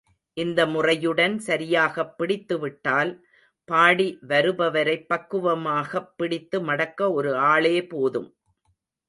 இந்த முறையுடன் சரியாகப் பிடித்துவிட்டால், பாடி வருபவரைப் பக்குவமாகப் பிடித்து மடக்க ஒரு ஆளே போதும்.